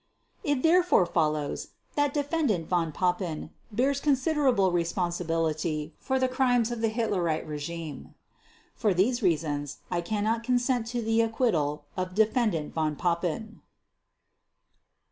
It therefore follows that Defendant Von Papen bears considerable responsibility for the crimes of the Hitlerite regime. For these reasons I cannot consent to the acquittal of Defendant Von Papen.